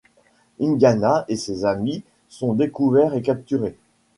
Indiana et ses amis sont découverts et capturés.